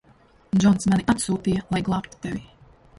Džons mani atsūtīja, lai glābtu tevi.